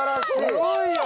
すごいよ！